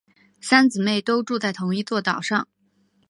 三姊妹都住在同一座岛上。